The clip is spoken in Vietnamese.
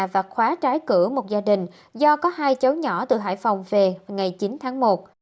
và khóa trái cửa một gia đình do có hai cháu nhỏ từ hải phòng về ngày chín tháng một